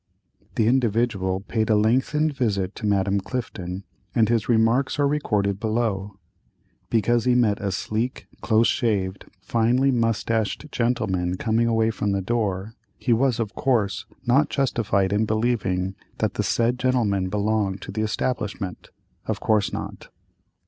The "Individual" paid a lengthened visit to Madame Clifton, and his remarks are recorded below. Because he met a sleek, close shaved, finely moustached gentleman coming away from the door, he was of course not justified in believing that the said gentleman belonged to the establishment. Of course not.